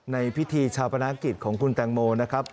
ในพิธีชาปนากิจของคุณแตงโมนะครับ